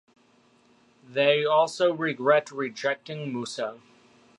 They also regret rejecting musa.